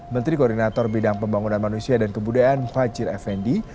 menteri koordinator bidang pembangunan manusia dan kebudayaan muhajir effendi